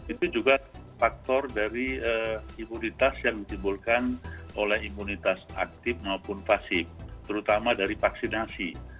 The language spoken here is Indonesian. itu juga faktor dari imunitas yang ditimbulkan oleh imunitas aktif maupun pasif terutama dari vaksinasi